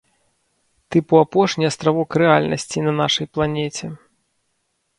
Тыпу апошні астравок рэальнасці на нашай планеце.